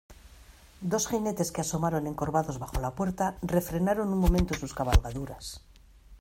dos jinetes que asomaron encorvados bajo la puerta, refrenaron un momento sus cabalgaduras